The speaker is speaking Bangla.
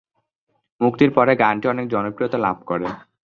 মুক্তির পরে গানটি অনেক জনপ্রিয়তা লাভ করে।